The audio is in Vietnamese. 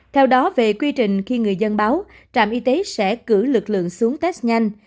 theo đó về quy trình khi người dân báo trạm y tế sẽ cử lực lượng xuống test nhanh